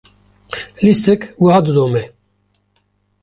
lîstik wiha didome.